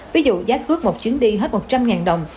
ví dụ giá cước một chuyến đi hết một trăm linh đồng